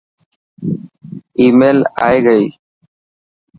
آي ميل ائي گئي.